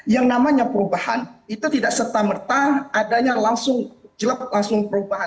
yang namanya perubahan itu tidak serta merta adanya langsung jelap langsung perubahan